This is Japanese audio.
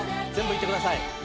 全部いってください。